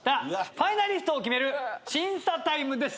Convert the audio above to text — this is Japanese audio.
ファイナリストを決める審査タイムです！